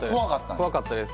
怖かったです